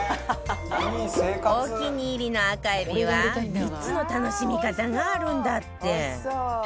お気に入りの赤海老は３つの楽しみ方があるんだって